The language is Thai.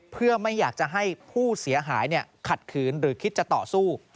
เพื่อไม่อยากจะให้ผู้เสียหายขัดขืนหรือคิดจะต่อสู้